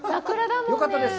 よかったです。